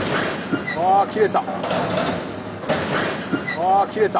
ああ切れた！